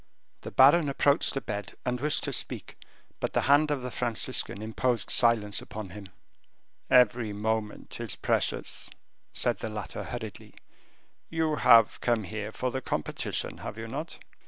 The baron approached the bed, and wished to speak, but the hand of the Franciscan imposed silence upon him. "Every moment is precious," said the latter, hurriedly. "You have come here for the competition, have you not?"